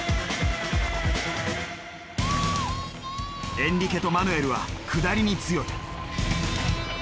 エンリケとマヌエルは下りに強い。